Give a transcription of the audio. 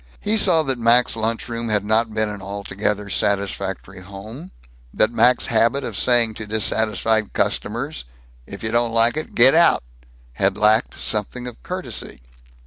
He saw that Mac's lunch room had not been an altogether satisfactory home; that Mac's habit of saying to dissatisfied customers, "If you don't like it, get out," had lacked something of courtesy.